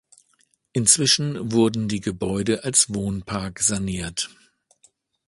Inzwischen wurden die Gebäude als Wohnpark saniert.